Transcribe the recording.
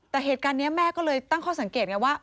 แต่เหตุการณ์นี้แม่ก็เลยตั้งข้อสังเกตไงว่า